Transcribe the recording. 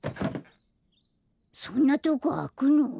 そんなとこあくの？